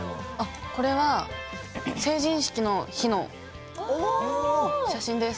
これは成人式の日の写真です。